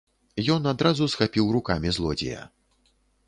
Ён адразу схапіў рукамі злодзея.